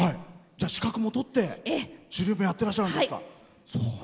資格を取って狩猟をやってらっしゃるんですね。